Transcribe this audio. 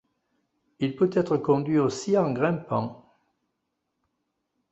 Il peut être conduit aussi en grimpant.